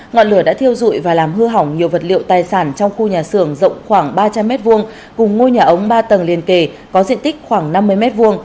ngọn lửa đã thiêu dụi và làm hư hỏng nhiều vật liệu tài sản trong khu nhà xưởng rộng khoảng ba trăm linh m hai cùng ngôi nhà ống ba tầng liên kề có diện tích khoảng năm mươi m hai